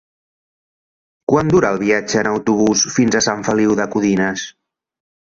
Quant dura el viatge en autobús fins a Sant Feliu de Codines?